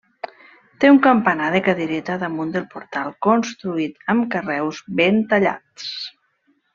Té un campanar de cadireta damunt del portal, construït amb carreus ben tallats.